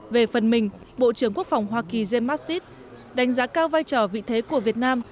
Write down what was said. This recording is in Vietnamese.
về phần mình bộ trưởng quốc phòng hoa kỳ james mastit đánh giá cao vai trò vị thế của việt nam